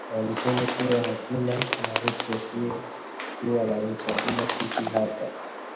Walisema kuwa hakuna marefu yasiyokuwa ncha ila sisi hapa